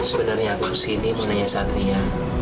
sebenernya aku sini mau nanya satria